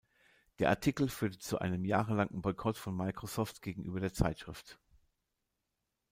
Der Artikel führte zu einem jahrelangen Boykott von Microsoft gegenüber der Zeitschrift.